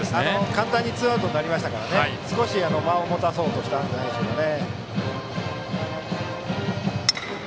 簡単にツーアウトになりましたから少し間を持たそうとしたんじゃないでしょうかね。